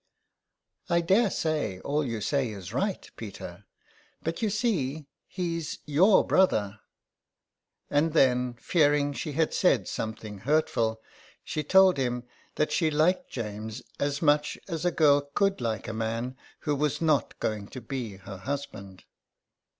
" I daresay all you say is right, Peter ; but you see he's your brother.'' And then, fearing she had said something hurtful, she told him that she liked James as much as a girl could like a man who was not going to be her hus band.